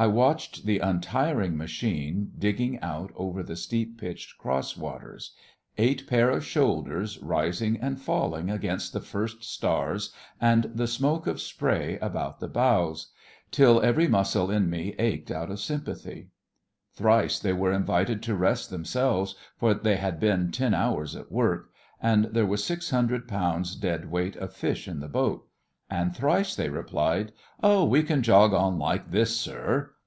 I watched the untiring machine digging out over the steep pitched cross waters; eight pair of shoulders rising and falling against the first stars and the smoke of spray about the bows; till every muscle in me ached out of sympathy. Thrice they were invited to rest themselves, for they had been ten hours at work, and there was six hundred pounds' dead weight of fish in the boat; and thrice they replied: 'Oh, we can jog on like this, sir.